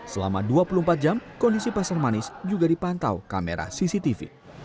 selama dua puluh empat jam kondisi pasar manis juga dipantau kamera cctv